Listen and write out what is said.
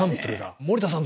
森田さん